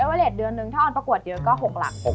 เวอเลสเดือนนึงถ้าออนประกวดเยอะก็๖หลัก